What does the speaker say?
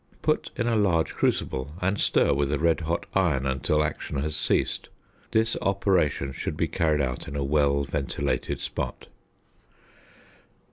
Put in a large crucible, and stir with a red hot iron until action has ceased. This operation should be carried out in a well ventilated spot.